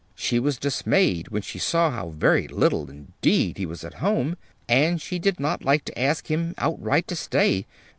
She was dismayed when she saw how very little, indeed, he was at home and she did not like to ask him outright to stay.